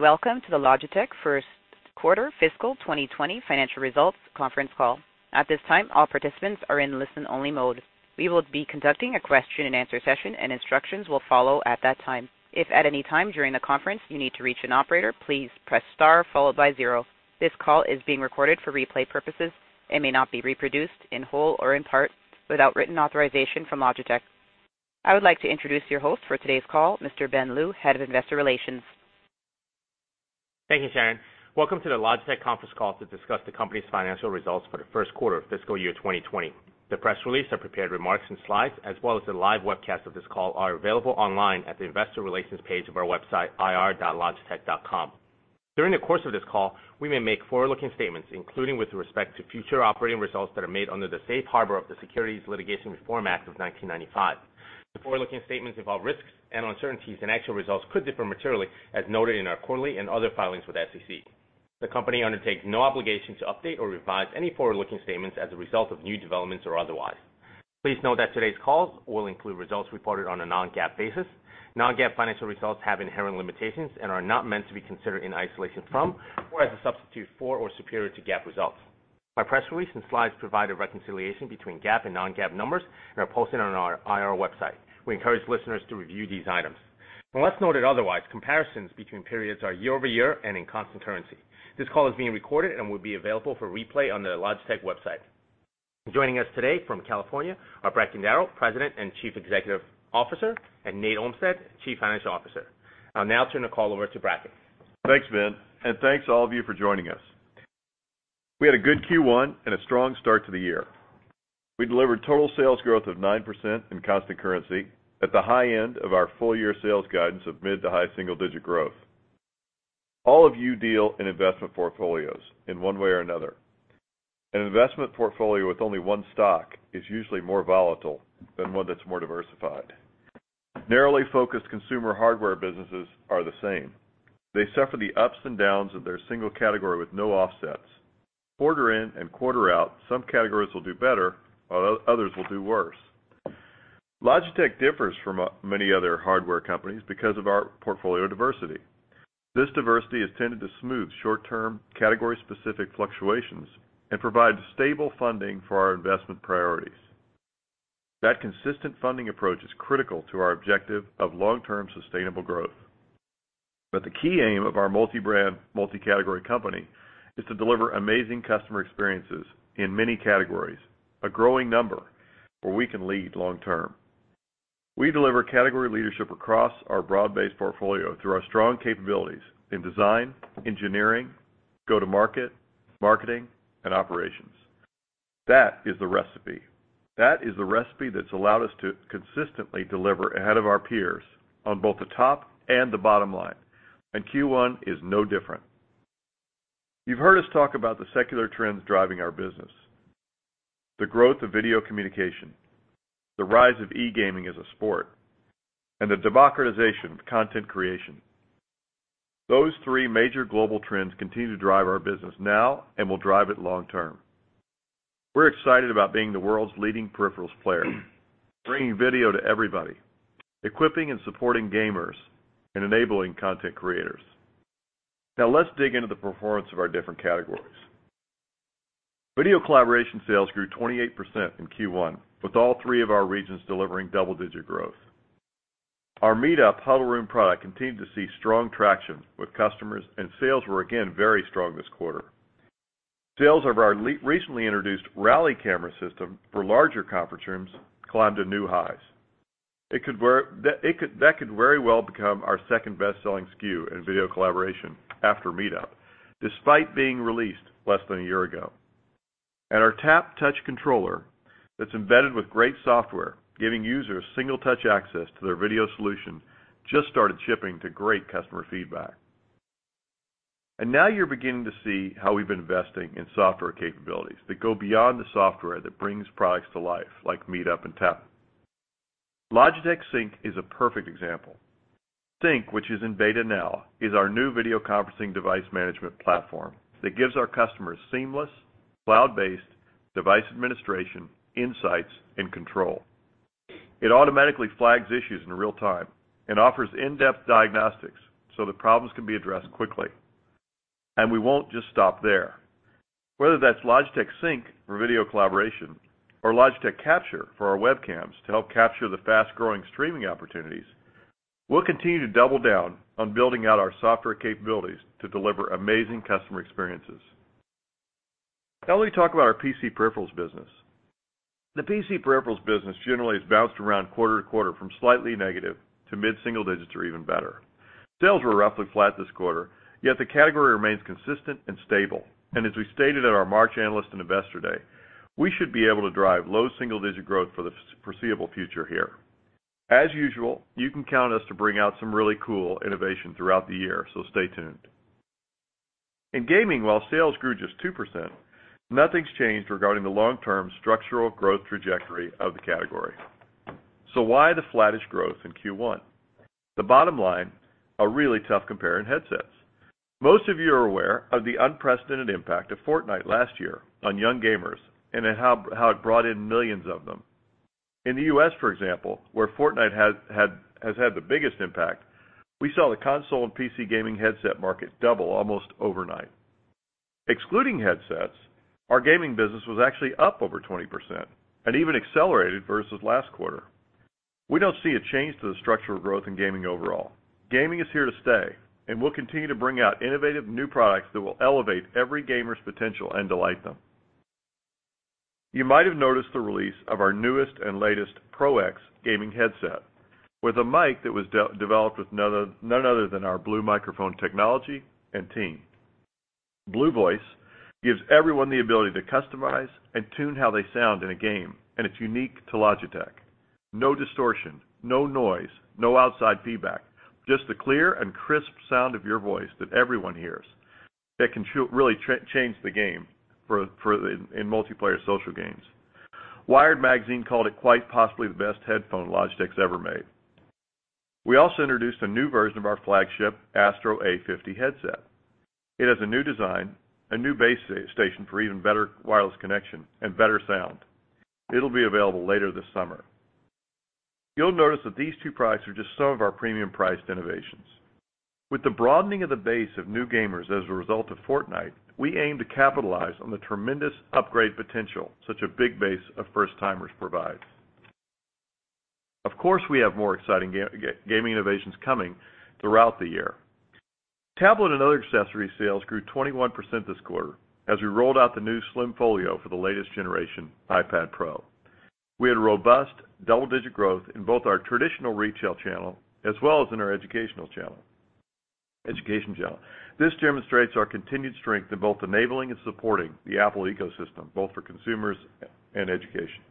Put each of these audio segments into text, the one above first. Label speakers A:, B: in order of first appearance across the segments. A: Welcome to the Logitech first quarter fiscal 2020 financial results conference call. At this time, all participants are in listen-only mode. We will be conducting a question-and-answer session, and instructions will follow at that time. If at any time during the conference you need to reach an operator, please press star followed by zero. This call is being recorded for replay purposes and may not be reproduced, in whole or in part, without written authorization from Logitech. I would like to introduce your host for today's call, Mr. Ben Lu, Head of Investor Relations.
B: Thank you, Sharon. Welcome to the Logitech conference call to discuss the company's financial results for the first quarter of fiscal year 2020. The press release, our prepared remarks and slides, as well as the live webcast of this call, are available online at the investor relations page of our website, ir.logitech.com. During the course of this call, we may make forward-looking statements, including with respect to future operating results that are made under the safe harbor of the Securities Litigation Reform Act of 1995. The forward-looking statements involve risks and uncertainties, and actual results could differ materially, as noted in our quarterly and other filings with the SEC. The company undertakes no obligation to update or revise any forward-looking statements as a result of new developments or otherwise. Please note that today's calls will include results reported on a non-GAAP basis. Non-GAAP financial results have inherent limitations and are not meant to be considered in isolation from, or as a substitute for, or superior to GAAP results. Our press release and slides provide a reconciliation between GAAP and non-GAAP numbers and are posted on our IR website. We encourage listeners to review these items. Unless noted otherwise, comparisons between periods are year-over-year and in constant currency. This call is being recorded and will be available for replay on the Logitech website. Joining us today from California are Bracken Darrell, President and Chief Executive Officer, and Nate Olmstead, Chief Financial Officer. I'll now turn the call over to Bracken.
C: Thanks, Ben, and thanks to all of you for joining us. We had a good Q1 and a strong start to the year. We delivered total sales growth of 9% in constant currency at the high end of our full-year sales guidance of mid to high single-digit growth. All of you deal in investment portfolios in one way or another. An investment portfolio with only one stock is usually more volatile than one that's more diversified. Narrowly focused consumer hardware businesses are the same. They suffer the ups and downs of their single category with no offsets. Quarter in and quarter out, some categories will do better, while others will do worse. Logitech differs from many other hardware companies because of our portfolio diversity. This diversity has tended to smooth short-term, category-specific fluctuations and provide stable funding for our investment priorities. That consistent funding approach is critical to our objective of long-term sustainable growth. The key aim of our multi-brand, multi-category company is to deliver amazing customer experiences in many categories, a growing number where we can lead long term. We deliver category leadership across our broad-based portfolio through our strong capabilities in design, engineering, go-to-market, marketing, and operations. That is the recipe. That is the recipe that's allowed us to consistently deliver ahead of our peers on both the top and the bottom line, and Q1 is no different. You've heard us talk about the secular trends driving our business, the growth of video communication, the rise of e-gaming as a sport, and the democratization of content creation. Those three major global trends continue to drive our business now and will drive it long term. We're excited about being the world's leading peripherals player, bringing video to everybody, equipping and supporting gamers, and enabling content creators. Let's dig into the performance of our different categories. Video Collaboration sales grew 28% in Q1, with all three of our regions delivering double-digit growth. Our MeetUp huddle room product continued to see strong traction with customers, sales were again very strong this quarter. Sales of our recently introduced Rally camera system for larger conference rooms climbed to new highs. That could very well become our second-best-selling SKU in Video Collaboration after MeetUp, despite being released less than a year ago. Our Tap touch controller that's embedded with great software, giving users single-touch access to their video solution, just started shipping to great customer feedback. Now you're beginning to see how we've been investing in software capabilities that go beyond the software that brings products to life, like MeetUp and Tap. Logitech Sync is a perfect example. Sync, which is in beta now, is our new video conferencing device management platform that gives our customers seamless, cloud-based device administration, insights, and control. It automatically flags issues in real time and offers in-depth diagnostics so that problems can be addressed quickly. We won't just stop there. Whether that's Logitech Sync for video collaboration or Logitech Capture for our webcams to help capture the fast-growing streaming opportunities, we'll continue to double down on building out our software capabilities to deliver amazing customer experiences. Let me talk about our PC peripherals business. The PC peripherals business generally has bounced around quarter to quarter from slightly negative to mid-single digits or even better. Sales were roughly flat this quarter. The category remains consistent and stable. As we stated at our March Analyst and Investor Day, we should be able to drive low double-digit growth for the foreseeable future here. As usual, you can count us to bring out some really cool innovation throughout the year. Stay tuned. In gaming, while sales grew just 2%, nothing's changed regarding the long-term structural growth trajectory of the category. Why the flattish growth in Q1? The bottom line, a really tough compare in headsets. Most of you are aware of the unprecedented impact of Fortnite last year on young gamers and how it brought in millions of them. In the U.S., for example, where Fortnite has had the biggest impact, we saw the console and PC gaming headset market double almost overnight. Excluding headsets, our gaming business was actually up over 20% and even accelerated versus last quarter. We don't see a change to the structural growth in gaming overall. Gaming is here to stay, and we'll continue to bring out innovative new products that will elevate every gamer's potential and delight them. You might have noticed the release of our newest and latest PRO X gaming headset with a mic that was developed with none other than our Blue Microphones technology and team. Blue VO! CE gives everyone the ability to customize and tune how they sound in a game, and it's unique to Logitech. No distortion, no noise, no outside feedback, just the clear and crisp sound of your voice that everyone hears. That can really change the game in multiplayer social games. Wired magazine called it quite possibly the best headphone Logitech's ever made. We also introduced a new version of our flagship ASTRO A50 headset. It has a new design, a new base station for even better wireless connection, and better sound. It'll be available later this summer. You'll notice that these two products are just some of our premium-priced innovations. With the broadening of the base of new gamers as a result of Fortnite, we aim to capitalize on the tremendous upgrade potential such a big base of first-timers provides. Of course, we have more exciting gaming innovations coming throughout the year. Tablet and other accessory sales grew 21% this quarter as we rolled out the new Slim Folio for the latest generation iPad Pro. We had a robust double-digit growth in both our traditional retail channel as well as in our educational channel. This demonstrates our continued strength in both enabling and supporting the Apple ecosystem, both for consumers and education.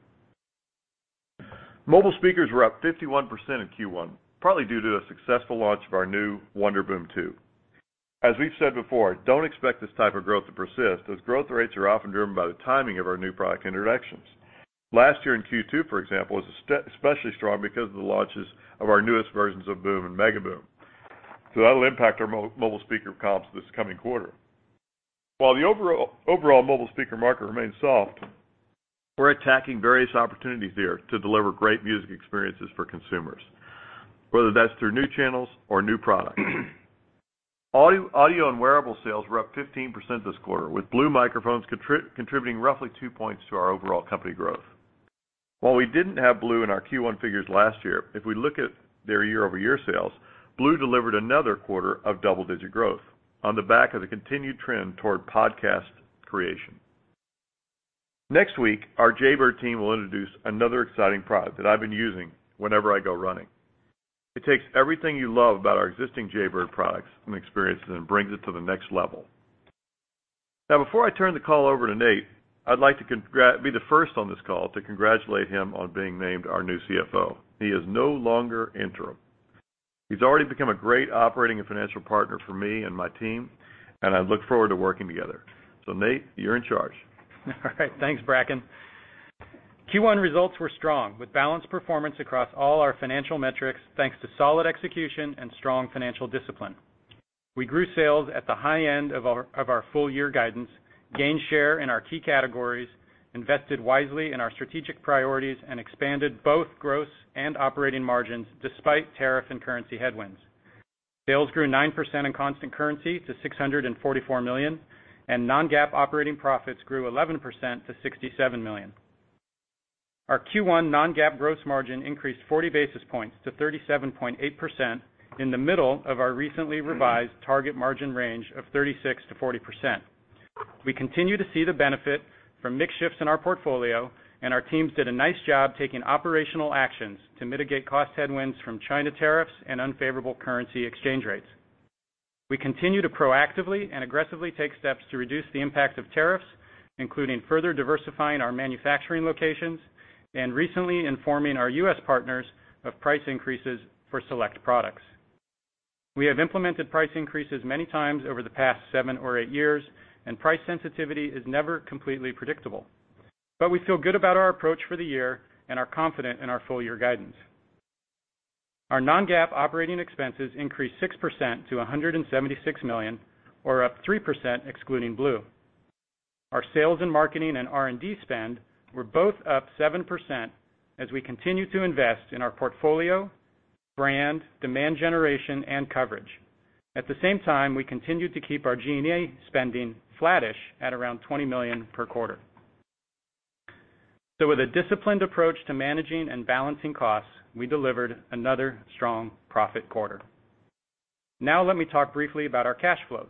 C: Mobile speakers were up 51% in Q1, probably due to the successful launch of our new WONDERBOOM 2. As we've said before, don't expect this type of growth to persist, as growth rates are often driven by the timing of our New Product Introductions. Last year in Q2, for example, was especially strong because of the launches of our newest versions of BOOM and MEGABOOM. That'll impact our mobile speaker comps this coming quarter. While the overall mobile speaker market remains soft, we're attacking various opportunities there to deliver great music experiences for consumers, whether that's through new channels or new products. Audio and wearable sales were up 15% this quarter, with Blue Microphones contributing roughly 2 points to our overall company growth. While we didn't have Blue in our Q1 figures last year, if we look at their year-over-year sales, Blue delivered another quarter of double-digit growth on the back of the continued trend toward podcast creation. Next week, our Jaybird team will introduce another exciting product that I've been using whenever I go running. It takes everything you love about our existing Jaybird products and experiences and brings it to the next level. Before I turn the call over to Nate, I'd like to be the first on this call to congratulate him on being named our new CFO. He is no longer interim. He's already become a great operating and financial partner for me and my team, and I look forward to working together. Nate, you're in charge.
D: All right. Thanks, Bracken. Q1 results were strong, with balanced performance across all our financial metrics, thanks to solid execution and strong financial discipline. We grew sales at the high end of our full-year guidance, gained share in our key categories, invested wisely in our strategic priorities, and expanded both gross and operating margins despite tariff and currency headwinds. Sales grew 9% in constant currency to $644 million, and non-GAAP operating profits grew 11% to $67 million. Our Q1 non-GAAP gross margin increased 40 basis points to 37.8% in the middle of our recently revised target margin range of 36%-40%. We continue to see the benefit from mix shifts in our portfolio, our teams did a nice job taking operational actions to mitigate cost headwinds from China tariffs and unfavorable currency exchange rates. We continue to proactively and aggressively take steps to reduce the impact of tariffs, including further diversifying our manufacturing locations and recently informing our U.S. partners of price increases for select products. We have implemented price increases many times over the past seven or eight years. Price sensitivity is never completely predictable. We feel good about our approach for the year and are confident in our full-year guidance. Our non-GAAP operating expenses increased 6% to $176 million, or up 3% excluding Blue. Our sales and marketing and R&D spend were both up 7% as we continue to invest in our portfolio, brand, demand generation, and coverage. At the same time, we continued to keep our G&A spending flattish at around $20 million per quarter. With a disciplined approach to managing and balancing costs, we delivered another strong profit quarter. Now let me talk briefly about our cash flows.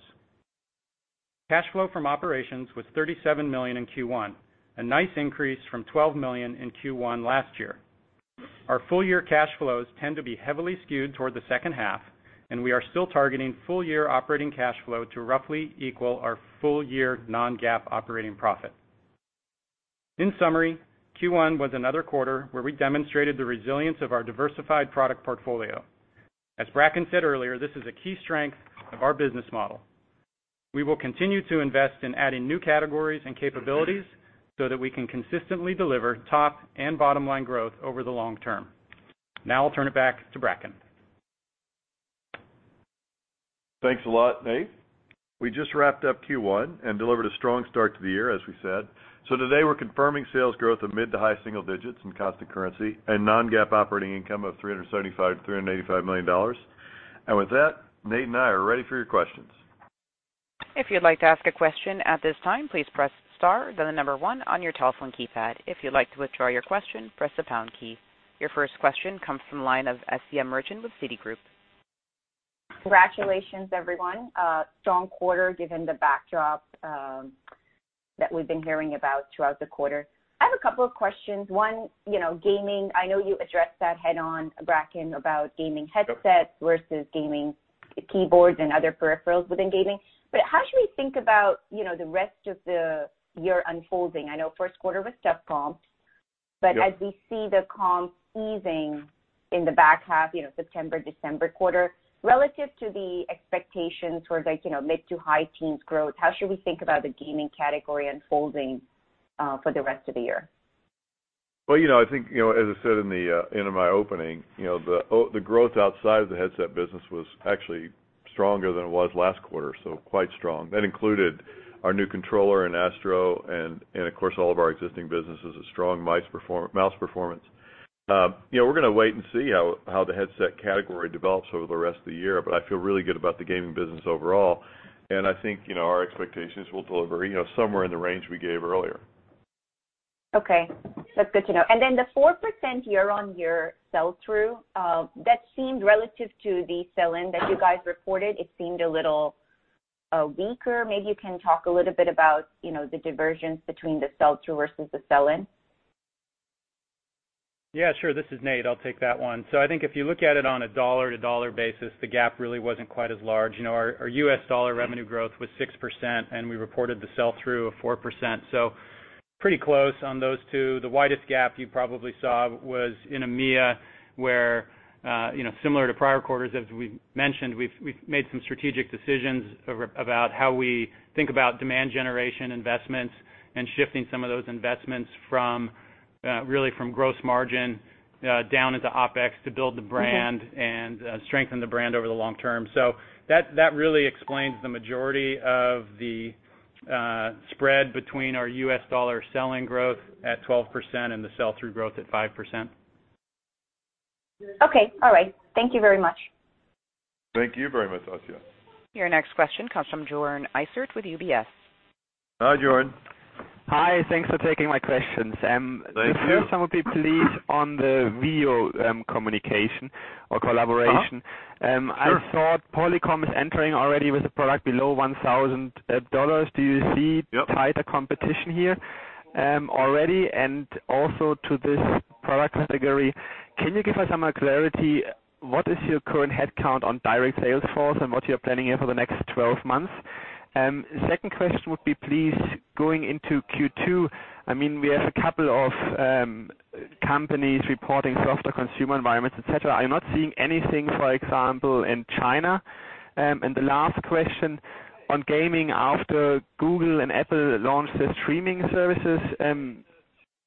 D: Cash flow from operations was $37 million in Q1, a nice increase from $12 million in Q1 last year. Our full-year cash flows tend to be heavily skewed toward the second half, and we are still targeting full-year operating cash flow to roughly equal our full-year non-GAAP operating profit. In summary, Q1 was another quarter where we demonstrated the resilience of our diversified product portfolio. As Bracken said earlier, this is a key strength of our business model. We will continue to invest in adding new categories and capabilities so that we can consistently deliver top and bottom-line growth over the long term. Now I'll turn it back to Bracken.
C: Thanks a lot, Nate. We just wrapped up Q1 and delivered a strong start to the year, as we said. Today we're confirming sales growth of mid to high single digits in constant currency and non-GAAP operating income of $375 million-$385 million. With that, Nate and I are ready for your questions.
A: If you'd like to ask a question at this time, please press star then the number 1 on your telephone keypad. If you'd like to withdraw your question, press the pound key. Your first question comes from the line of Asiya Merchant with Citigroup.
E: Congratulations, everyone. Strong quarter given the backdrop that we've been hearing about throughout the quarter. I have a couple of questions. One, gaming. I know you addressed that head-on, Bracken, about gaming headsets versus gaming keyboards and other peripherals within gaming. How should we think about the rest of the year unfolding? I know first quarter was step comps.
C: Yeah.
E: As we see the comps easing in the back half, September, December quarter, relative to the expectations for mid to high teens growth, how should we think about the gaming category unfolding for the rest of the year?
C: Well, I think, as I said in my opening, the growth outside of the headset business was actually stronger than it was last quarter, so quite strong. That included our new controller in ASTRO and of course, all of our existing businesses, a strong mouse performance. We're going to wait and see how the headset category develops over the rest of the year, but I feel really good about the gaming business overall. I think, our expectations will deliver somewhere in the range we gave earlier.
E: Okay. That's good to know. The 4% year-on-year sell-through, that seemed relative to the sell-in that you guys reported, it seemed a little weaker. Maybe you can talk a little bit about the divergence between the sell-through versus the sell-in.
D: Yeah, sure. This is Nate. I'll take that one. I think if you look at it on a dollar-to-dollar basis, the gap really wasn't quite as large. Our US dollar revenue growth was 6%, and we reported the sell-through of 4%. Pretty close on those two. The widest gap you probably saw was in EMEA, where, similar to prior quarters as we've mentioned, we've made some strategic decisions about how we think about demand generation investments and shifting some of those investments from really from gross margin, down into OpEx to build the brand and strengthen the brand over the long term. That really explains the majority of the spread between our US dollar sell-in growth at 12% and the sell-through growth at 5%.
E: Okay. All right. Thank you very much.
C: Thank you very much, Asiya.
A: Your next question comes from Joern Iffert with UBS.
C: Hi, Joern.
F: Hi. Thanks for taking my questions.
C: Thank you.
F: The first one would be, please, on the video communication or collaboration.
C: Sure.
F: I thought Polycom is entering already with a product below $1,000. Do you see-
C: Yep
F: tighter competition here already? Also to this product category, can you give us some clarity, what is your current headcount on direct sales force and what you're planning here for the next 12 months? Second question would be, please, going into Q2, we have a couple of companies reporting softer consumer environments, et cetera. Are you not seeing anything, for example, in China? The last question on gaming after Google and Apple launched their streaming services,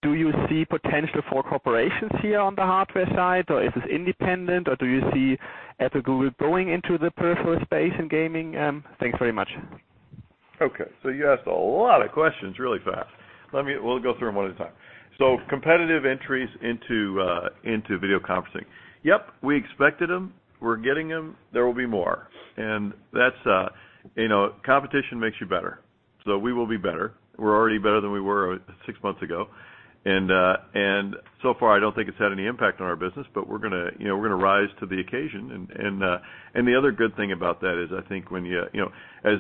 F: do you see potential for corporations here on the hardware side, or is this independent, or do you see Apple, Google going into the peripheral space in gaming? Thanks very much.
C: Okay. You asked a lot of questions really fast. We'll go through them one at a time. Competitive entries into Video Collaboration. Yep, we expected them. We're getting them. There will be more. Competition makes you better. We will be better. We're already better than we were six months ago. So far I don't think it's had any impact on our business, but we're going to rise to the occasion and the other good thing about that is I think as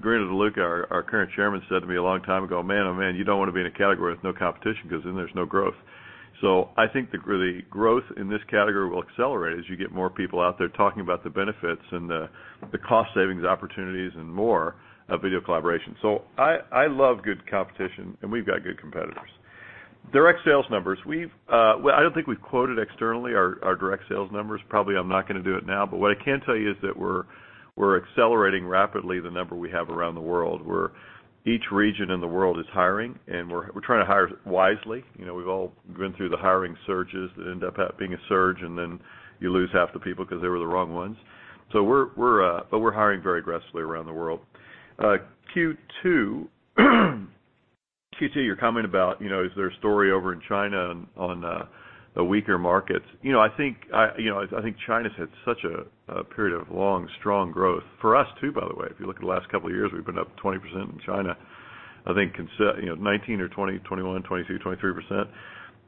C: Guerrino De Luca, our current Chairman, said to me a long time ago, "Man, oh, man, you don't want to be in a category with no competition because then there's no growth." I think the growth in this category will accelerate as you get more people out there talking about the benefits and the cost savings opportunities and more of Video Collaboration. I love good competition, and we've got good competitors. Direct sales numbers. I don't think we've quoted externally our direct sales numbers. Probably I'm not going to do it now, but what I can tell you is that we're accelerating rapidly the number we have around the world, where each region in the world is hiring, and we're trying to hire wisely. We've all been through the hiring surges that end up being a surge, and then you lose half the people because they were the wrong ones. We're hiring very aggressively around the world. Q2, your comment about, is there a story over in China on the weaker markets? I think China's had such a period of long, strong growth for us too, by the way. If you look at the last couple of years, we've been up 20% in China. I think, 19% or 20%, 21%, 22%,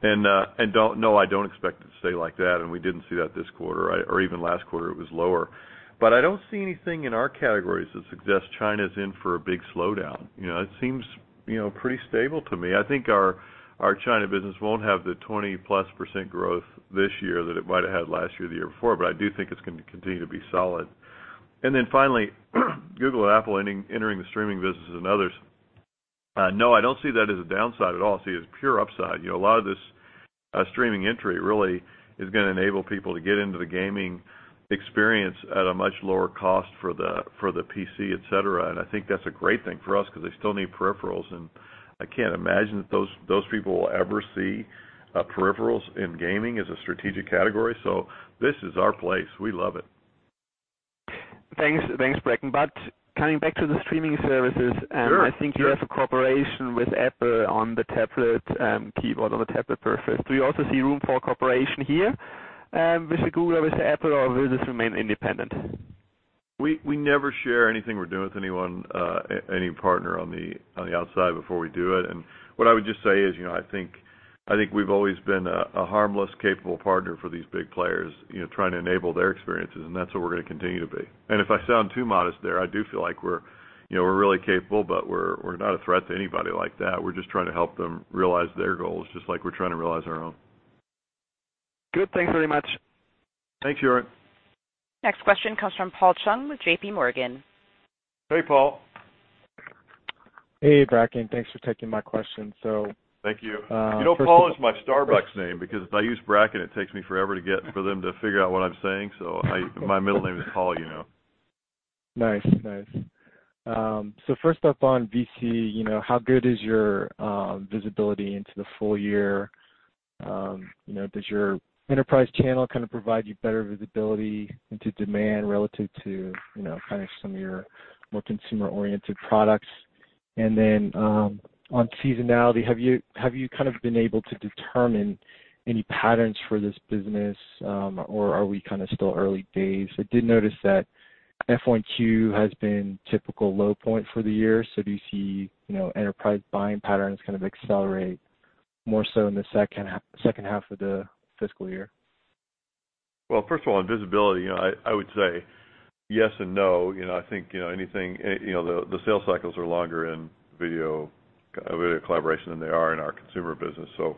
C: 23%. No, I don't expect it to stay like that, and we didn't see that this quarter, or even last quarter it was lower. I don't see anything in our categories that suggests China's in for a big slowdown. It seems pretty stable to me. I think our China business won't have the 20-plus % growth this year that it might have had last year or the year before, but I do think it's going to continue to be solid. Finally, Google and Apple entering the streaming business and others. No, I don't see that as a downside at all. I see it as pure upside. A lot of this streaming entry really is going to enable people to get into the gaming experience at a much lower cost for the PC, et cetera. I think that's a great thing for us because they still need peripherals. I can't imagine that those people will ever see peripherals in gaming as a strategic category. This is our place. We love it.
F: Thanks, Bracken. Coming back to the streaming services.
C: Sure
F: I think you have a cooperation with Apple on the tablet keyboard, on the tablet surface. Do you also see room for cooperation here with Google, with Apple, or will this remain independent?
C: We never share anything we're doing with anyone, any partner on the outside before we do it. What I would just say is, I think we've always been a harmless, capable partner for these big players, trying to enable their experiences, and that's what we're going to continue to be. If I sound too modest there, I do feel like we're really capable, but we're not a threat to anybody like that. We're just trying to help them realize their goals, just like we're trying to realize our own.
F: Good. Thanks very much.
C: Thanks, Joern.
A: Next question comes from Paul Chung with JPMorgan.
C: Hey, Paul.
G: Hey, Bracken. Thanks for taking my question.
C: Thank you. You know, Paul is my Starbucks name, because if I use Bracken, it takes me forever for them to figure out what I'm saying. My middle name is Paul, you know.
G: Nice. First up on VC, how good is your visibility into the full year? Does your enterprise channel kind of provide you better visibility into demand relative to kind of some of your more consumer-oriented products? Then, on seasonality, have you been able to determine any patterns for this business? Or are we still early days? I did notice that F1Q has been typical low point for the year. Do you see enterprise buying patterns kind of accelerate more so in the second half of the fiscal year?
C: Well, first of all, on visibility, I would say yes and no. I think the sales cycles are longer in video collaboration than they are in our consumer business, so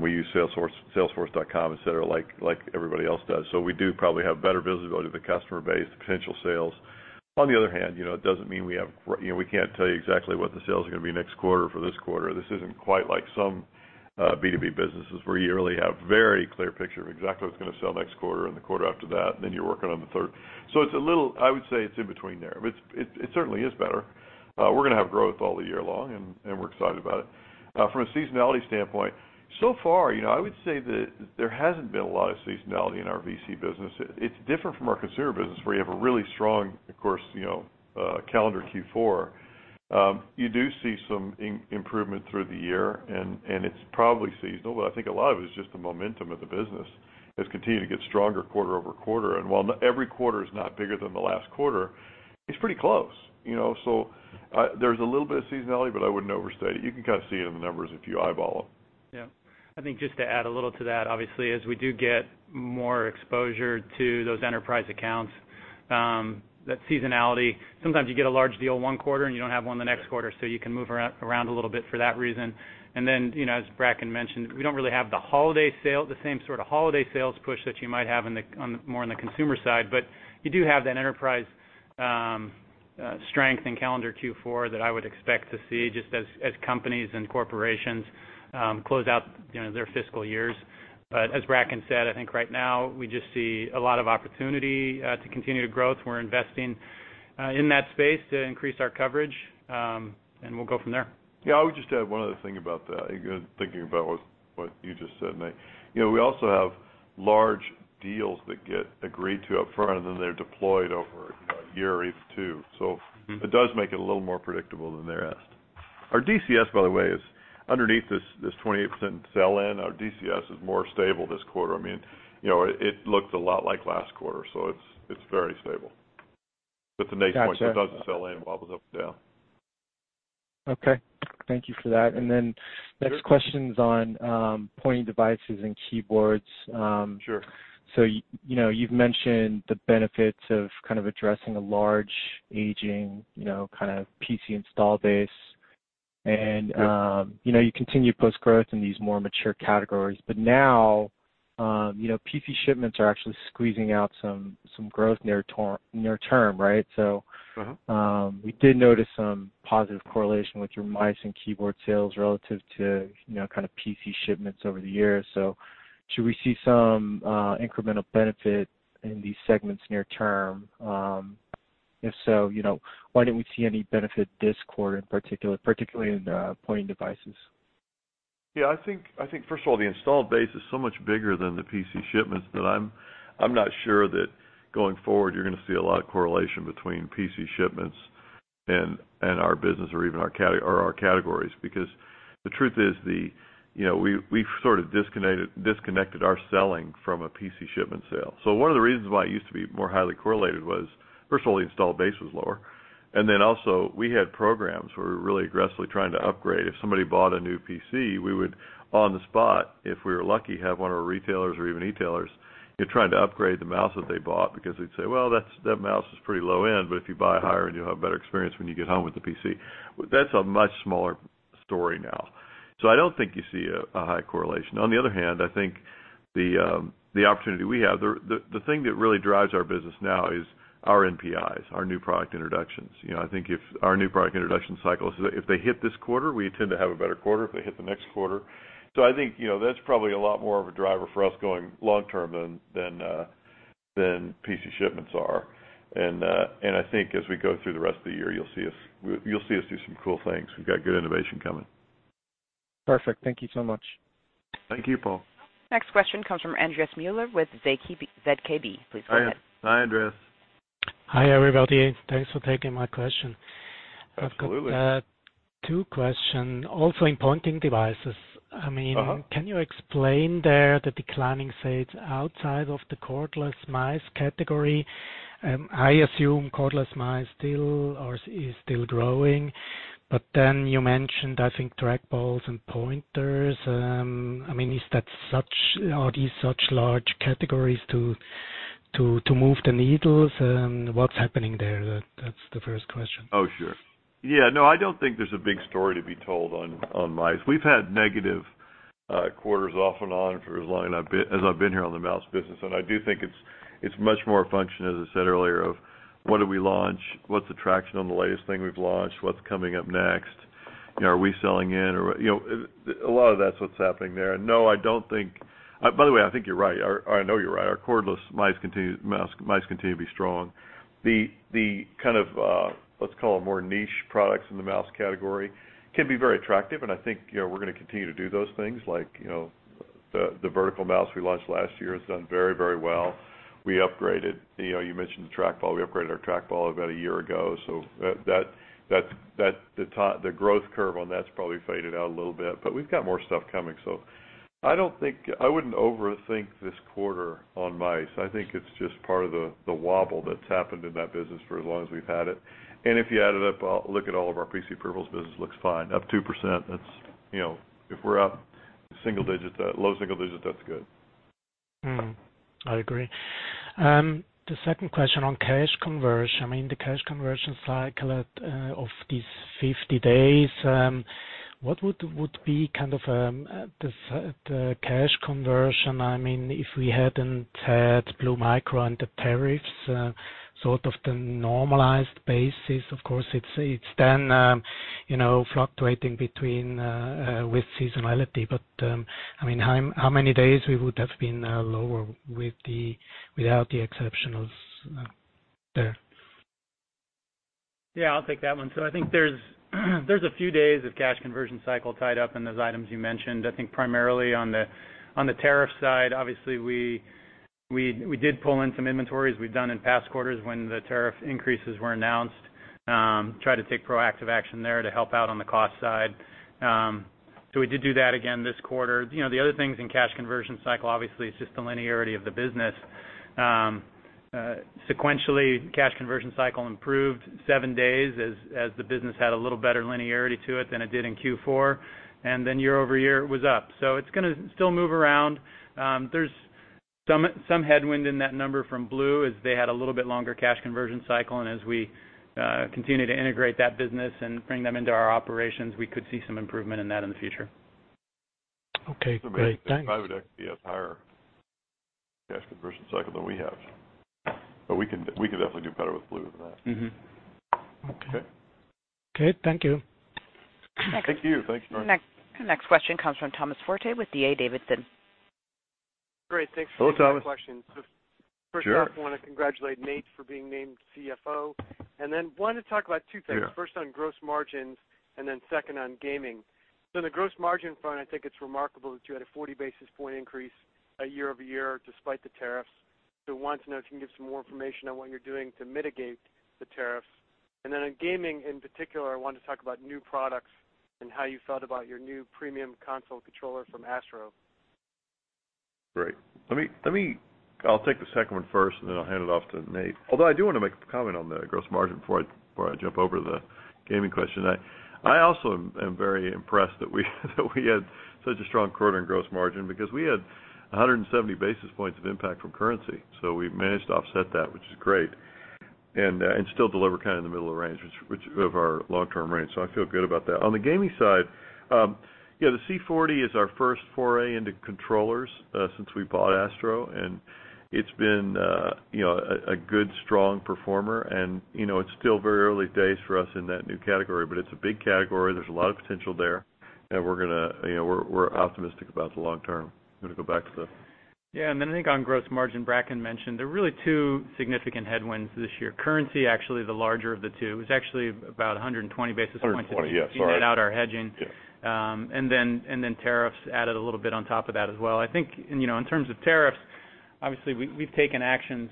C: we use salesforce.com, et cetera, like everybody else does. We do probably have better visibility of the customer base, the potential sales. On the other hand, it doesn't mean we can't tell you exactly what the sales are going to be next quarter for this quarter. This isn't quite like some B2B businesses, where you really have a very clear picture of exactly what's going to sell next quarter and the quarter after that, and then you're working on the third. I would say it's in between there, but it certainly is better. We're going to have growth all the year long, and we're excited about it. From a seasonality standpoint, so far, I would say that there hasn't been a lot of seasonality in our VC business. It's different from our consumer business, where you have a really strong, of course, calendar Q4. You do see some improvement through the year, and it's probably seasonal, but I think a lot of it is just the momentum of the business. It's continued to get stronger quarter-over-quarter. While every quarter is not bigger than the last quarter, it's pretty close. There's a little bit of seasonality, but I wouldn't overstate it. You can kind of see it in the numbers if you eyeball it.
D: Yeah. I think just to add a little to that, obviously, as we do get more exposure to those enterprise accounts, that seasonality, sometimes you get a large deal one quarter, and you don't have one the next quarter, so you can move around a little bit for that reason. As Bracken mentioned, we don't really have the same sort of holiday sales push that you might have more on the consumer side, but you do have that enterprise strength in calendar Q4 that I would expect to see just as companies and corporations close out their fiscal years. As Bracken said, I think right now we just see a lot of opportunity to continue to growth. We're investing in that space to increase our coverage, we'll go from there.
C: Yeah, I would just add one other thing about that, thinking about what you just said, Nate. We also have large deals that get agreed to up front, and then they're deployed over a year or two. It does make it a little more predictable than they're asked. Our DSO, by the way, is underneath this 28% sell-in. Our DSO is more stable this quarter. It looked a lot like last quarter, so it's very stable. To Nate's point.
G: Gotcha
C: because the sell-in wobbles up and down.
G: Okay. Thank you for that. Next question's on pointing devices and keyboards.
C: Sure.
G: You've mentioned the benefits of addressing a large, aging PC install base.
C: Sure
G: You continue to post growth in these more mature categories, but now PC shipments are actually squeezing out some growth near-term, right? we did notice some positive correlation with your mice and keyboard sales relative to PC shipments over the years. Should we see some incremental benefit in these segments near term? If so, why didn't we see any benefit this quarter in particular, particularly in pointing devices?
C: I think, first of all, the installed base is so much bigger than the PC shipments that I'm not sure that going forward, you're going to see a lot of correlation between PC shipments and our business or even our categories. The truth is, we've sort of disconnected our selling from a PC shipment sale. One of the reasons why it used to be more highly correlated was, first of all, the installed base was lower, and also we had programs where we were really aggressively trying to upgrade. If somebody bought a new PC, we would, on the spot, if we were lucky, have one of our retailers or even e-tailers trying to upgrade the mouse that they bought because they'd say, "Well, that mouse is pretty low-end, but if you buy higher, you'll have a better experience when you get home with the PC." That's a much smaller story now. I don't think you see a high correlation. I think the opportunity we have, the thing that really drives our business now is our NPIs, our new product introductions. I think if our new product introduction cycles, if they hit this quarter, we tend to have a better quarter, if they hit the next quarter. I think that's probably a lot more of a driver for us going long term than PC shipments are. I think as we go through the rest of the year, you'll see us do some cool things. We've got good innovation coming.
G: Perfect. Thank you so much.
C: Thank you, Paul.
A: Next question comes from Andreas Müller with ZKB. Please go ahead.
C: Hi, Andreas.
H: Hi, everybody. Thanks for taking my question.
C: Absolutely.
H: I've got two question. In pointing devices, can you explain there the declining sales outside of the cordless mice category? I assume cordless mice is still growing. Then you mentioned, I think, trackballs and pointers. Are these such large categories to move the needles, and what's happening there? That's the first question.
C: Oh, sure. Yeah, no, I don't think there's a big story to be told on mice. We've had negative quarters off and on for as long as I've been here on the mouse business. I do think it's much more a function, as I said earlier, of what do we launch, what's the traction on the latest thing we've launched, what's coming up next, are we selling in? A lot of that's what's happening there. By the way, I think you're right, or I know you're right. Our cordless mice continue to be strong. The kind of, let's call it more niche products in the mouse category can be very attractive. I think we're going to continue to do those things like the vertical mouse we launched last year has done very well. You mentioned the trackball. We upgraded our trackball about a year ago. The growth curve on that's probably faded out a little bit, but we've got more stuff coming. I wouldn't overthink this quarter on mice. I think it's just part of the wobble that's happened in that business for as long as we've had it. If you add it up, look at all of our PC peripherals business, looks fine, up 2%. If we're up low single digits, that's good.
H: I agree. The second question on cash conversion, the cash conversion cycle of these 50 days, what would be kind of the cash conversion if we hadn't had Blue Micro and the tariffs sort of the normalized basis? Of course, it's then fluctuating between with seasonality, how many days we would have been lower without the exceptionals there?
D: Yeah, I'll take that one. I think there's a few days of cash conversion cycle tied up in those items you mentioned. I think primarily on the tariff side, obviously, we did pull in some inventories we've done in past quarters when the tariff increases were announced, try to take proactive action there to help out on the cost side. We did do that again this quarter. The other things in cash conversion cycle, obviously, is just the linearity of the business. Sequentially, cash conversion cycle improved seven days as the business had a little better linearity to it than it did in Q4, and then year-over-year it was up. It's going to still move around. There's some headwind in that number from Blue as they had a little bit longer cash conversion cycle, and as we continue to integrate that business and bring them into our operations, we could see some improvement in that in the future.
H: Okay, great. Thanks.
C: Private equity has higher cash conversion cycle than we have, but we could definitely do better with Blue than that.
H: Okay. Thank you.
C: Thank you. Thanks, Andreas.
A: The next question comes from Thomas Forte with D.A. Davidson.
I: Great. Thanks for taking my question.
C: Hello, Thomas. Sure.
I: First off, I want to congratulate Nate for being named CFO, and then wanted to talk about two things.
C: Sure.
I: First on gross margins, and then second on gaming. On the gross margin front, I think it's remarkable that you had a 40 basis point increase year over year despite the tariffs. Wanted to know if you can give some more information on what you're doing to mitigate the tariffs. On gaming in particular, I wanted to talk about new products and how you felt about your new premium console controller from ASTRO.
C: Great. I'll take the second one first, and then I'll hand it off to Nate. I do want to make a comment on the gross margin before I jump over to the gaming question. I also am very impressed that we had such a strong quarter in gross margin because we had 170 basis points of impact from currency. We've managed to offset that, which is great, and still deliver kind of in the middle of our long-term range. I feel good about that. On the gaming side, the C40 is our first foray into controllers since we bought ASTRO, and it's been a good, strong performer, and it's still very early days for us in that new category, but it's a big category. There's a lot of potential there, and we're optimistic about the long term.
D: I think on gross margin, Bracken mentioned there are really two significant headwinds this year. Currency actually the larger of the two. It was actually about 120 basis points.
C: 120, yeah. Sorry
D: if you net out our hedging.
C: Yeah.
D: Tariffs added a little bit on top of that as well. I think in terms of tariffs, obviously, we've taken actions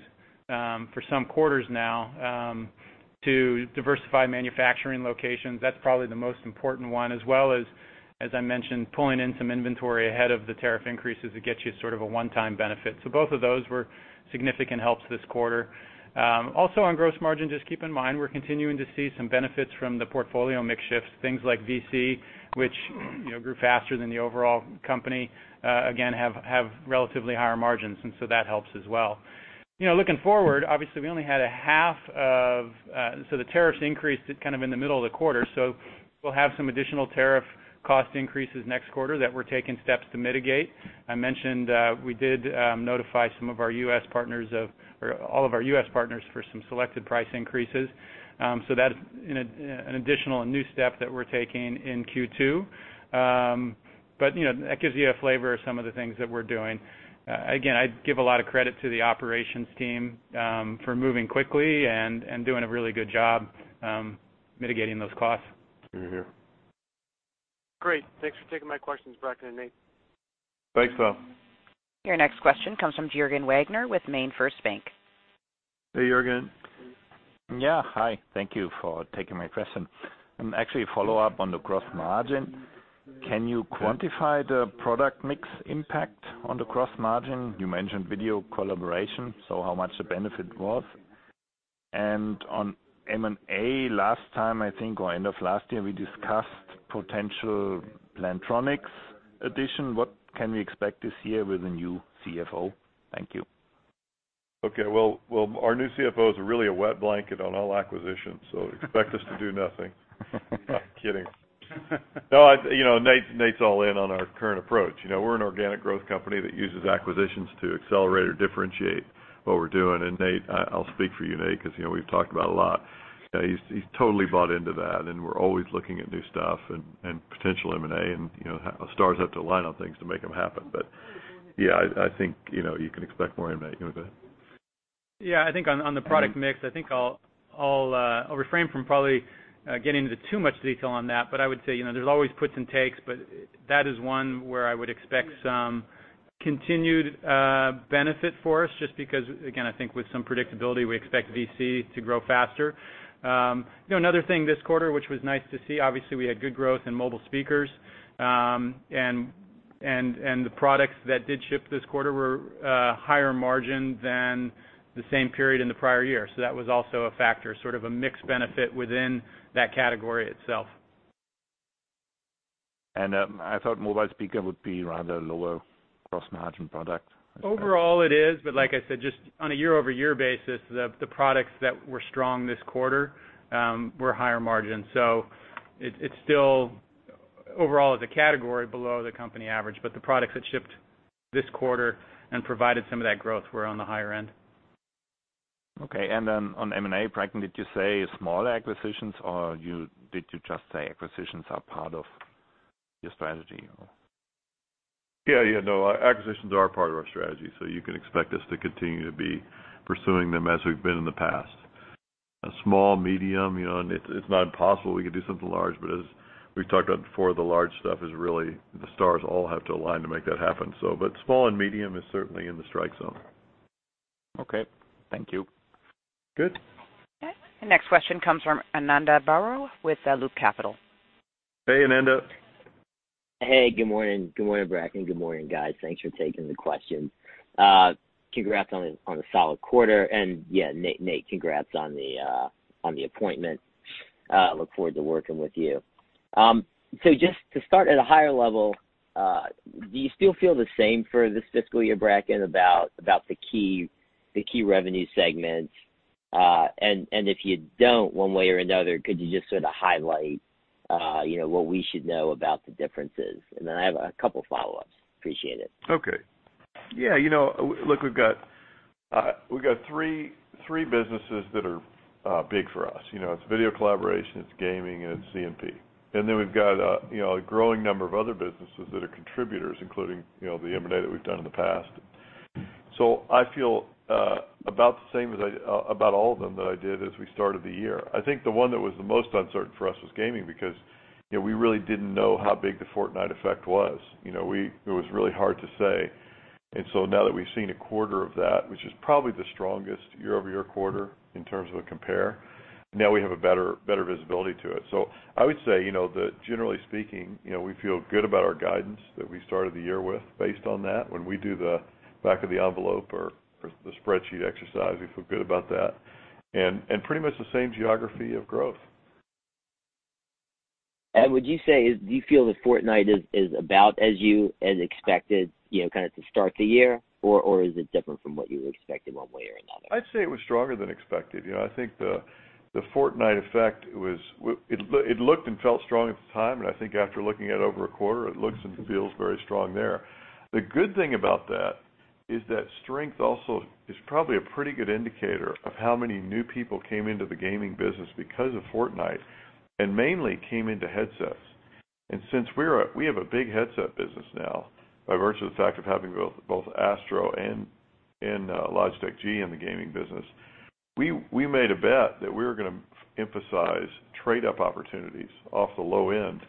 D: for some quarters now to diversify manufacturing locations. That's probably the most important one, as well as I mentioned, pulling in some inventory ahead of the tariff increases, it gets you sort of a one-time benefit. Both of those were significant helps this quarter. Also on gross margin, just keep in mind, we're continuing to see some benefits from the portfolio mix shifts, things like VC, which grew faster than the overall company, again, have relatively higher margins, and so that helps as well. Looking forward, obviously, the tariffs increased kind of in the middle of the quarter, so we'll have some additional tariff cost increases next quarter that we're taking steps to mitigate. I mentioned we did notify all of our U.S. partners for some selected price increases. That's an additional and new step that we're taking in Q2. That gives you a flavor of some of the things that we're doing. Again, I give a lot of credit to the operations team for moving quickly and doing a really good job mitigating those costs.
C: Hear hear.
I: Great. Thanks for taking my questions, Bracken and Nate.
C: Thanks, Thomas.
A: Your next question comes from Juergen Wagner with MainFirst Bank.
C: Hey, Juergen.
J: Yeah. Hi. Thank you for taking my question. Actually, a follow-up on the gross margin. Can you quantify the product mix impact on the gross margin? You mentioned video collaboration, so how much the benefit was. On M&A, last time, I think, or end of last year, we discussed potential Plantronics addition. What can we expect this year with the new CFO? Thank you.
C: Okay. Well, our new CFO is really a wet blanket on all acquisitions, so expect us to do nothing. I'm kidding. No, Nate's all in on our current approach. We're an organic growth company that uses acquisitions to accelerate or differentiate what we're doing. Nate, I'll speak for you, Nate, because we've talked about it a lot. He's totally bought into that, and we're always looking at new stuff and potential M&A, and stars have to align on things to make them happen. Yeah, I think, you can expect more M&A. You want to add?
D: Yeah, I think on the product mix, I think I'll refrain from probably getting into too much detail on that, but I would say, there's always puts and takes, but that is one where I would expect some continued benefit for us, just because, again, I think with some predictability, we expect VC to grow faster. Another thing this quarter, which was nice to see, obviously, we had good growth in mobile speakers. The products that did ship this quarter were higher margin than the same period in the prior year. That was also a factor, sort of a mixed benefit within that category itself.
J: I thought mobile speaker would be rather lower gross margin product.
D: Overall, it is, but like I said, just on a year-over-year basis, the products that were strong this quarter were higher margin. It's still overall as a category below the company average, but the products that shipped this quarter and provided some of that growth were on the higher end.
J: Okay, then on M&A, Bracken, did you say small acquisitions, or did you just say acquisitions are part of your strategy, or?
C: Yeah. No, our acquisitions are part of our strategy. You can expect us to continue to be pursuing them as we've been in the past. Small, medium, it's not impossible we could do something large. As we've talked about before, the large stuff is really the stars all have to align to make that happen. Small and medium is certainly in the strike zone.
J: Okay. Thank you.
C: Good.
A: Okay. The next question comes from Ananda Baruah with Loop Capital.
C: Hey, Ananda.
K: Hey, good morning. Good morning, Bracken. Good morning, guys. Thanks for taking the question. Congrats on a solid quarter. Yeah, Nate, congrats on the appointment. Look forward to working with you. Just to start at a higher level, do you still feel the same for this fiscal year, Bracken, about the key revenue segments? If you don't, one way or another, could you just sort of highlight what we should know about the differences? I have a couple follow-ups. Appreciate it.
C: Okay. Yeah, look, we've got three businesses that are big for us. It's Video Collaboration, it's Gaming, and it's C&P. Then we've got a growing number of other businesses that are contributors, including the M&A that we've done in the past. I feel about the same as about all of them that I did as we started the year. I think the one that was the most uncertain for us was Gaming because we really didn't know how big the Fortnite effect was. It was really hard to say. Now that we've seen a quarter of that, which is probably the strongest year-over-year quarter in terms of a compare, now we have a better visibility to it. I would say, that generally speaking, we feel good about our guidance that we started the year with based on that. When we do the back of the envelope or the spreadsheet exercise, we feel good about that. Pretty much the same geography of growth.
K: Would you say, do you feel that Fortnite is about as you had expected to start the year, or is it different from what you expected one way or another?
C: I'd say it was stronger than expected. I think the Fortnite effect, it looked and felt strong at the time, and I think after looking at it over a quarter, it looks and feels very strong there. The good thing about that is that strength also is probably a pretty good indicator of how many new people came into the gaming business because of Fortnite and mainly came into headsets. Since we have a big headset business now, by virtue of the fact of having both ASTRO and Logitech G in the gaming business, we made a bet that we were going to emphasize trade-up opportunities off the low end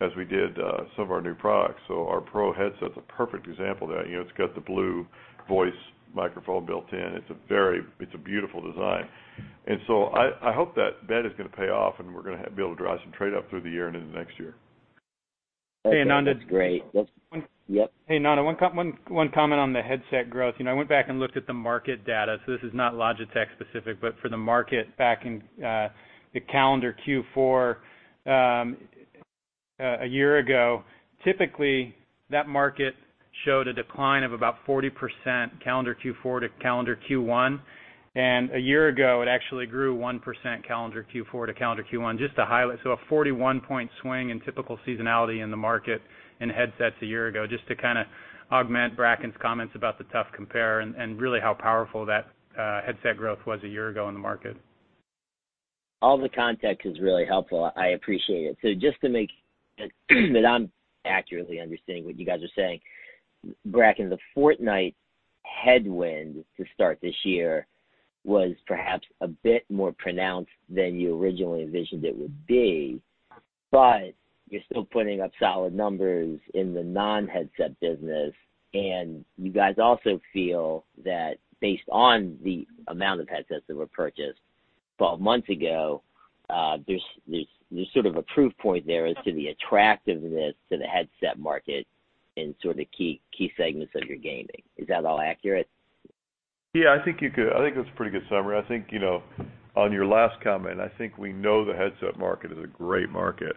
C: as we did some of our new products. Our Pro headset is a perfect example of that. It's got the Blue VO! CE microphone built in. It's a beautiful design. I hope that bet is going to pay off, and we're going to be able to drive some trade-up through the year and into next year.
K: Okay, that's great.
D: Hey, Ananda, one comment on the headset growth. I went back and looked at the market data, so this is not Logitech specific, but for the market back in the calendar Q4 a year ago, typically, that market showed a decline of about 40% calendar Q4 to calendar Q1. A year ago, it actually grew 1% calendar Q4 to calendar Q1, just to highlight. A 41-point swing in typical seasonality in the market in headsets a year ago, just to augment Bracken's comments about the tough compare and really how powerful that headset growth was a year ago in the market.
K: All the context is really helpful. I appreciate it. Just to make that I'm accurately understanding what you guys are saying, Bracken, the Fortnite headwind to start this year was perhaps a bit more pronounced than you originally envisioned it would be. You're still putting up solid numbers in the non-headset business, and you guys also feel that based on the amount of headsets that were purchased 12 months ago, there's sort of a proof point there as to the attractiveness to the headset market in sort of the key segments of your gaming. Is that all accurate?
C: Yeah, I think that's a pretty good summary. I think, on your last comment, I think we know the headset market is a great market,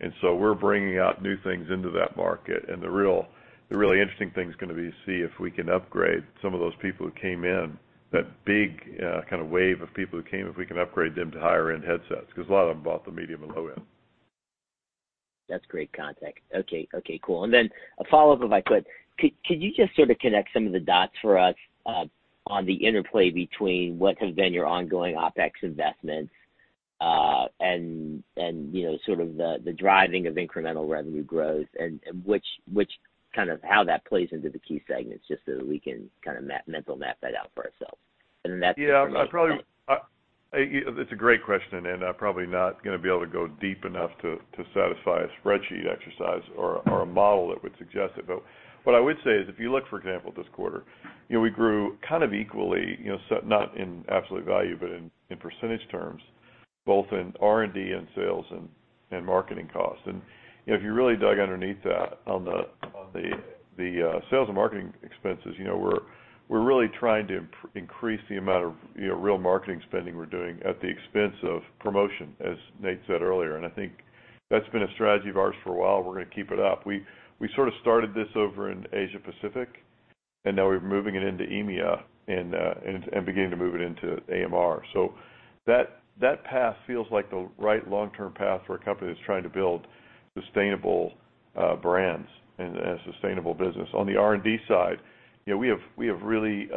C: and so we're bringing out new things into that market. The really interesting thing is going to be to see if we can upgrade some of those people who came in, that big kind of wave of people who came, if we can upgrade them to higher-end headsets, because a lot of them bought the medium and low end.
K: That's great context. Okay, cool. Then a follow-up, if I could. Could you just sort of connect some of the dots for us on the interplay between what has been your ongoing OpEx investments and sort of the driving of incremental revenue growth and how that plays into the key segments, just so that we can kind of mental map that out for ourselves? That's just for me.
C: Yeah. It's a great question, and I'm probably not going to be able to go deep enough to satisfy a spreadsheet exercise or a model that would suggest it. What I would say is, if you look, for example, at this quarter, we grew kind of equally, not in absolute value, but in percentage terms, both in R&D and sales and marketing costs. If you really dug underneath that on the sales and marketing expenses, we're really trying to increase the amount of real marketing spending we're doing at the expense of promotion, as Nate said earlier. I think that's been a strategy of ours for a while. We're going to keep it up. We sort of started this over in Asia Pacific, and now we're moving it into EMEA and beginning to move it into AMR. That path feels like the right long-term path for a company that's trying to build sustainable brands and a sustainable business. On the R&D side, we have really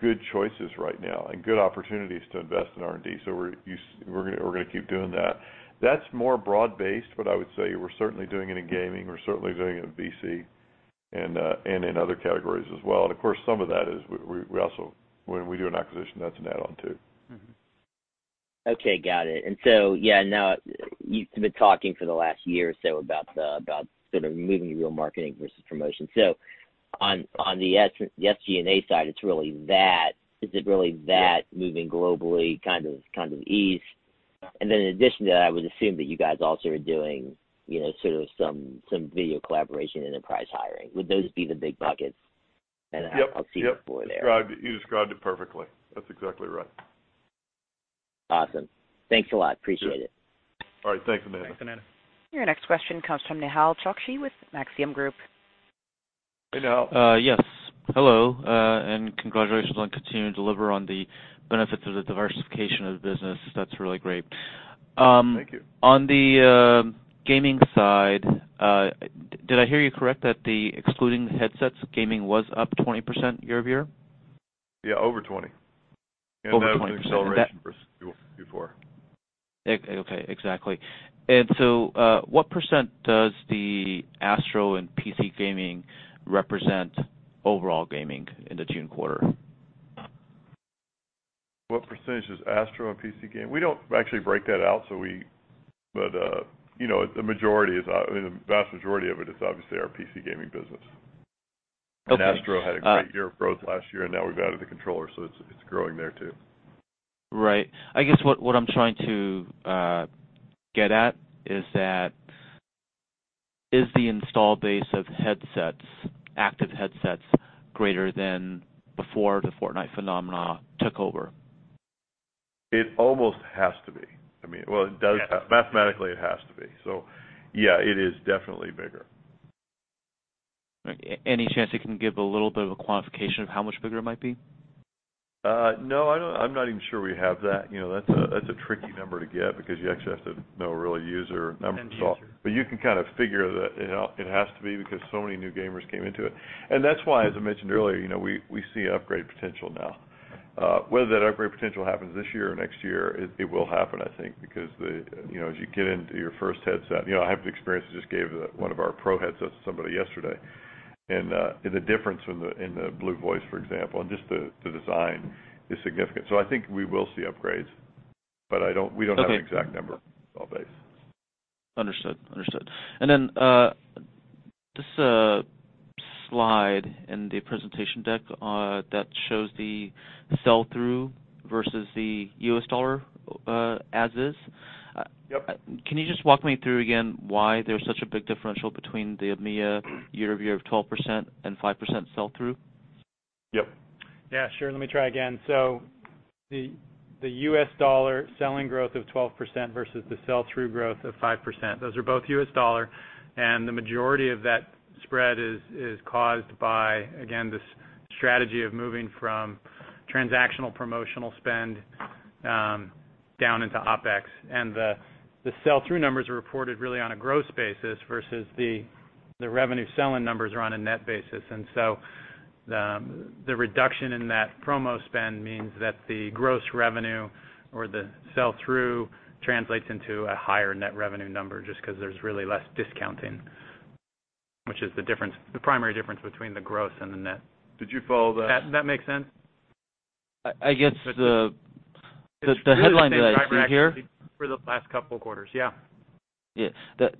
C: good choices right now and good opportunities to invest in R&D. We're going to keep doing that. That's more broad based, but I would say we're certainly doing it in gaming, we're certainly doing it in VC and in other categories as well. Of course, some of that is when we do an acquisition, that's an add-on, too.
K: Okay, got it. Yeah, now you've been talking for the last year or so about sort of moving real marketing versus promotion. On the SG&A side, is it really?
C: Yeah
K: moving globally kind of ease? Then in addition to that, I would assume that you guys also are doing sort of some Video Collaboration and enterprise hiring. Would those be the big buckets?
C: Yep
K: see your boy there.
C: You described it perfectly. That's exactly right.
K: Awesome. Thanks a lot. Appreciate it.
C: Yeah. All right, thanks, Ananda.
D: Thanks, Ananda.
A: Your next question comes from Nehal Chokshi with Maxim Group.
C: Hey, Nehal.
L: Yes. Hello. Congratulations on continuing to deliver on the benefits of the diversification of the business. That is really great.
C: Thank you.
L: On the gaming side, did I hear you correct that the excluding headsets gaming was up 20% year-over-year?
C: Yeah, over 20.
L: Over 20.
C: That was an acceleration versus Q4.
L: Okay, exactly. What % does the ASTRO and PC gaming represent overall gaming in the June quarter?
C: What % is ASTRO and PC gaming? We don't actually break that out, but the vast majority of it is obviously our PC gaming business.
L: Okay.
C: ASTRO had a great year of growth last year, and now we've added the controller, so it's growing there, too.
L: Right. I guess what I'm trying to get at is that is the install base of headsets, active headsets, greater than before the Fortnite phenomena took over?
C: It almost has to be.
L: Yeah
C: Well, it does have. Mathematically, it has to be. Yeah, it is definitely bigger.
L: Any chance you can give a little bit of a quantification of how much bigger it might be?
C: I'm not even sure we have that. That's a tricky number to get because you actually have to know real user numbers.
L: The user.
C: You can kind of figure that it has to be because so many new gamers came into it. That's why, as I mentioned earlier, we see upgrade potential now. Whether that upgrade potential happens this year or next year, it will happen, I think, because as you get into your first headset, I have the experience, I just gave one of our pro headsets to somebody yesterday, and the difference in the Blue VO! CE, for example, and just the design is significant. I think we will see upgrades, but we don't have an exact number install base.
L: Understood. Understood. Then, just a slide in the presentation deck that shows the sell-through versus the U.S. dollar as is.
C: Yep.
L: Can you just walk me through again why there's such a big differential between the EMEA year-over-year of 12% and 5% sell-through?
C: Yep.
D: Yeah, sure. Let me try again. The U.S. dollar selling growth of 12% versus the sell-through growth of 5%. Those are both U.S. dollar, and the majority of that spread is caused by, again, this strategy of moving from transactional promotional spend down into OpEx. The sell-through numbers are reported really on a gross basis versus the revenue sell-in numbers are on a net basis. The reduction in that promo spend means that the gross revenue or the sell-through translates into a higher net revenue number just because there's really less discounting.
B: Which is the difference, the primary difference between the gross and the net. Did you follow that? That make sense?
L: I guess the headline that I see here.
B: It's really the same driver actually for the last couple quarters. Yeah.
L: Yeah.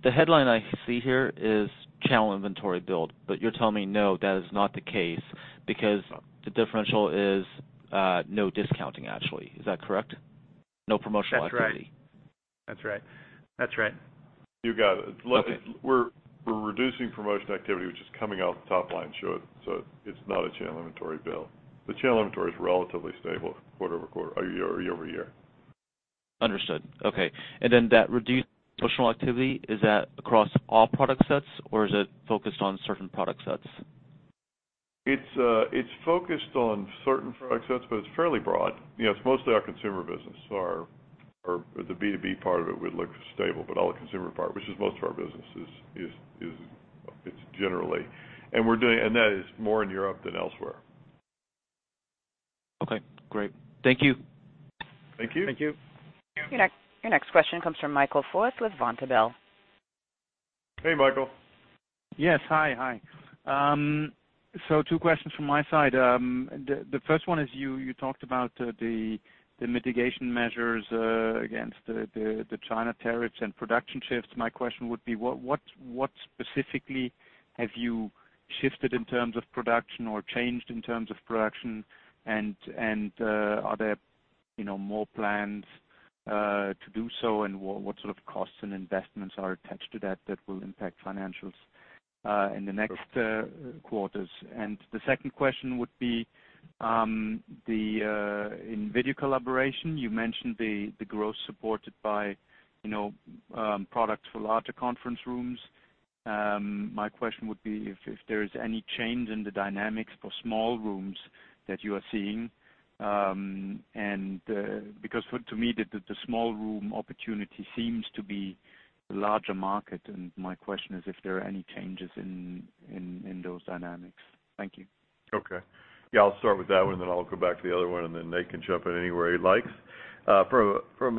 L: The headline I see here is channel inventory build, but you're telling me no, that is not the case because the differential is, no discounting actually. Is that correct? No promotional activity.
B: That's right.
C: You got it.
L: Okay.
C: We're reducing promotion activity, which is coming off the top line, so it's not a channel inventory build. The channel inventory is relatively stable quarter-over-quarter or year-over-year.
L: Understood. Okay. That reduced promotional activity, is that across all product sets or is it focused on certain product sets?
C: It's focused on certain product sets, but it's fairly broad. It's mostly our consumer business. The B2B part of it would look stable, but all the consumer part, which is most of our business, it's generally. That is more in Europe than elsewhere.
L: Okay, great. Thank you.
C: Thank you.
B: Thank you.
A: Your next question comes from Michael Foeth with Vontobel.
C: Hey, Michael.
M: Yes. Hi. Two questions from my side. The first one is you talked about the mitigation measures against the China tariffs and production shifts. My question would be, what specifically have you shifted in terms of production or changed in terms of production, and are there more plans to do so, and what sort of costs and investments are attached to that will impact financials in the next quarters? The second question would be, in video collaboration, you mentioned the growth supported by product for larger conference rooms. My question would be if there is any change in the dynamics for small rooms that you are seeing, because to me, the small room opportunity seems to be the larger market, and my question is if there are any changes in those dynamics. Thank you.
C: Okay. Yeah, I'll start with that one. I'll go back to the other one. Nate can jump in anywhere he likes. We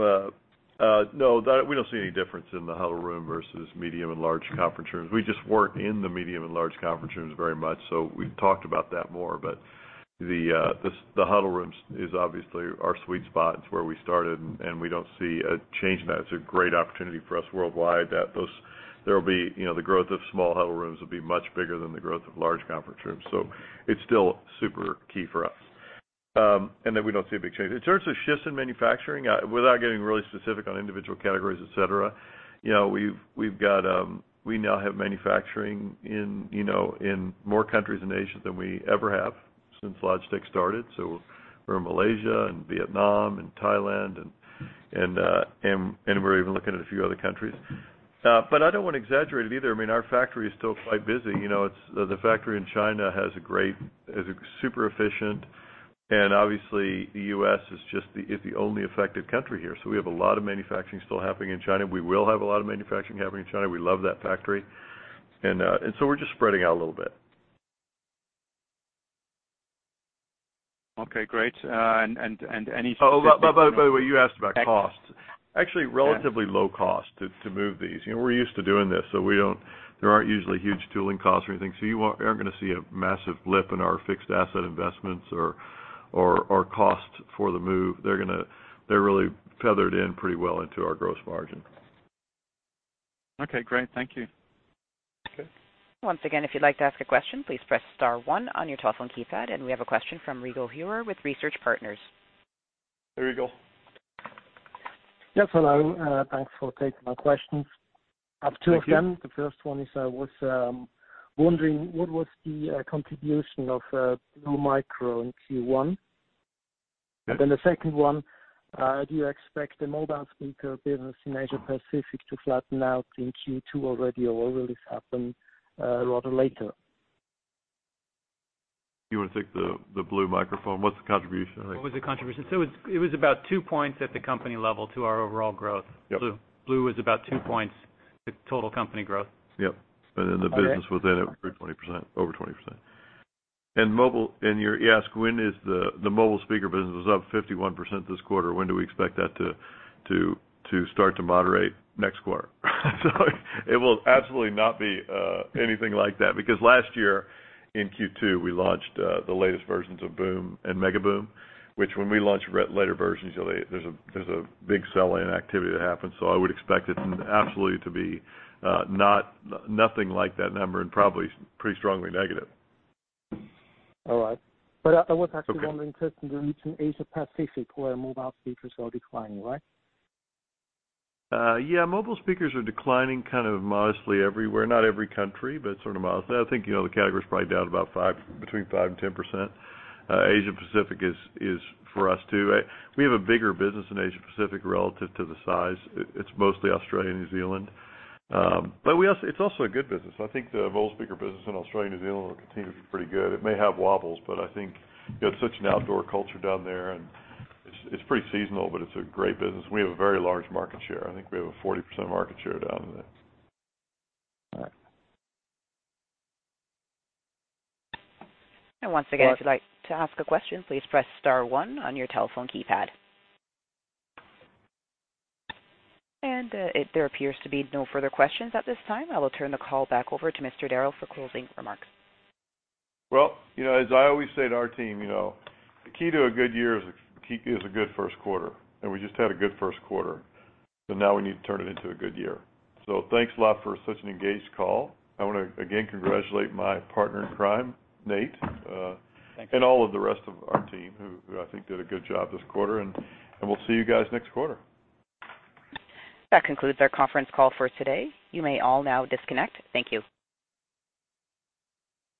C: don't see any difference in the huddle room versus medium and large conference rooms. We just work in the medium and large conference rooms very much. We've talked about that more. The huddle rooms is obviously our sweet spot. It's where we started. We don't see a change in that. It's a great opportunity for us worldwide that the growth of small huddle rooms will be much bigger than the growth of large conference rooms. It's still super key for us. We don't see a big change. In terms of shifts in manufacturing, without getting really specific on individual categories, et cetera, we now have manufacturing in more countries in Asia than we ever have since Logitech started. We're in Malaysia and Vietnam and Thailand and we're even looking at a few other countries. I don't want to exaggerate it either. Our factory is still quite busy. The factory in China is super efficient, and obviously, the U.S. is the only affected country here. We have a lot of manufacturing still happening in China. We will have a lot of manufacturing happening in China. We love that factory. We're just spreading out a little bit.
M: Okay, great.
C: Oh, by the way, you asked about cost.
M: Yes.
C: Actually, relatively low cost to move these. We're used to doing this, so there aren't usually huge tooling costs or anything. You aren't going to see a massive blip in our fixed asset investments or costs for the move. They're really feathered in pretty well into our gross margin.
M: Okay, great. Thank you.
C: Okay.
A: Once again, if you'd like to ask a question, please press star one on your telephone keypad. We have a question from Rigel Heuer with Research Partners.
C: Hey, Rigel.
N: Yes, hello. Thanks for taking my questions.
C: Thank you.
N: I have two of them. The first one is, I was wondering, what was the contribution of Blue Microphones in Q1?
C: Yeah.
N: The second one, do you expect the mobile speaker business in Asia-Pacific to flatten out in Q2 already, or will this happen a lot later?
C: You want to take the Blue Microphone? What's the contribution, I think?
D: What was the contribution? It was about two points at the company level to our overall growth.
C: Yep.
D: Blue was about two points to total company growth.
C: Yep. The business within it grew over 20%. You ask when is the mobile speaker business was up 51% this quarter, when do we expect that to start to moderate next quarter? It will absolutely not be anything like that, because last year in Q2, we launched the latest versions of BOOM and MEGABOOM, which when we launch later versions, usually there's a big sell-in activity that happens. I would expect it absolutely to be nothing like that number and probably pretty strongly negative.
N: All right. I was actually wondering, certainly in Asia-Pacific, where mobile speakers are declining, right?
C: Yeah, mobile speakers are declining kind of modestly everywhere. Not every country, but sort of modestly. I think the category's probably down about between 5% and 10%. Asia-Pacific is for us, too. We have a bigger business in Asia-Pacific relative to the size. It's mostly Australia and New Zealand. It's also a good business. I think the mobile speaker business in Australia and New Zealand will continue to be pretty good. It may have wobbles, but I think it's such an outdoor culture down there, and it's pretty seasonal, but it's a great business. We have a very large market share. I think we have a 40% market share down there.
N: All right.
A: Once again, if you'd like to ask a question, please press star one on your telephone keypad. There appears to be no further questions at this time. I will turn the call back over to Mr. Darrell for closing remarks.
C: Well, as I always say to our team, the key to a good year is a good first quarter, and we just had a good first quarter. Now we need to turn it into a good year. Thanks a lot for such an engaged call. I want to again congratulate my partner in crime, Nate.
D: Thank you. All of the rest of our team, who I think did a good job this quarter, and we'll see you guys next quarter.
A: That concludes our conference call for today. You may all now disconnect. Thank you.